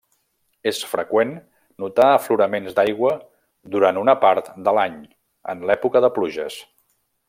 És freqüent notar afloraments d'aigua durant una part de l'any, en l'època de pluges.